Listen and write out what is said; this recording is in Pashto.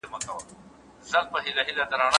د جدي پاملرني څانګه څه ده؟